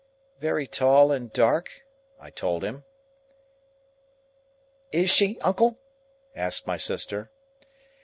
"Very tall and dark," I told him. "Is she, uncle?" asked my sister.